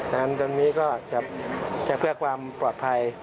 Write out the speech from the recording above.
ตรงนี้ก็จะเพื่อความปลอดภัย